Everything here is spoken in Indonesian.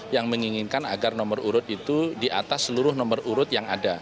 yang menginginkan agar nomor urut itu di atas seluruh nomor urut yang ada